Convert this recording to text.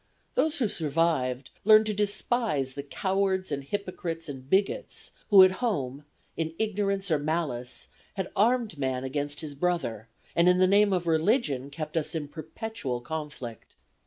Those who survived learned to despise the cowards and hypocrites and bigots who at home, in ignorance or malice, had armed man against his brother, and in the name of religion kept us in perpetual conflict.